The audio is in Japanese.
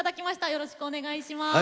よろしくお願いします。